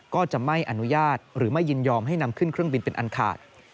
ก็จะไม่อนุญาตหรือไม่ยินยอมให้นำขึ้นเครื่องบินเป็นอันขาด